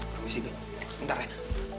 permisi bentar ren